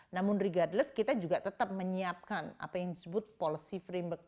namun regardless kita juga tetap menyiapkan apa yang disebut policy framework